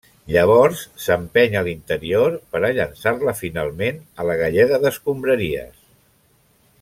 Llavors, s'empeny a l'interior per a llançar-la finalment a la galleda d'escombraries.